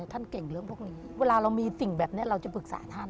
ท่านเก่งเรื่องพวกนี้เวลาเรามีสิ่งแบบนี้เราจะปรึกษาท่าน